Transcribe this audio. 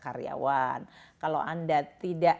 karyawan kalau anda tidak